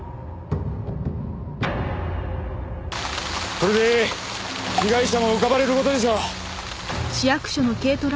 これで被害者も浮かばれる事でしょう。